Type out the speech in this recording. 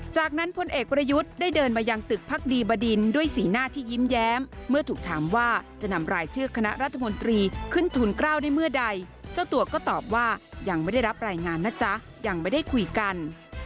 จากนั้นพลเอกประยุทธ์ได้เดินมายังตึกพักดีบดินด้วยสีหน้าที่ยิ้มแย้มเมื่อถูกถามว่าจะนำรายชื่อคณะรัฐมนตรีขึ้นทุนกล้าวได้เมื่อใดเจ้าตัวก็ตอบว่ายังไม่ได้รับรายงานนะจ๊ะยังไม่ได้คุยกัน